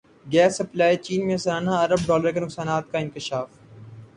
gas supply چین میں سالانہ ارب ڈالر کے نقصان کا انکشاف